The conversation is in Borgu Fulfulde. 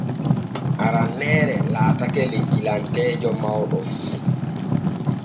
Aranneere laatake lekkilanteejo mawɗo fu.